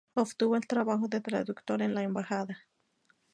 Obtuvo el trabajo de traductor en la embajada.